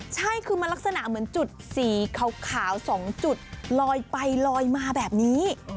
ใช่คือมันลักษณะเหมือนจุดสีขาว๒จุดลอยไปลอยมาแบบนี้